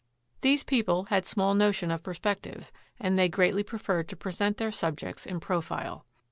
These people had small notion of perspective, and they greatly preferred to present their subjects in profile.